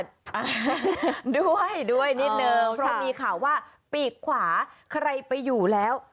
ด้วยด้วยนิดนึงเพราะมีข่าวว่าปีกขวาใครไปอยู่แล้ว